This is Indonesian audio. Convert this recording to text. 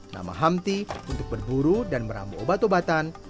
nama hamti untuk berburu dan meramu obat obatan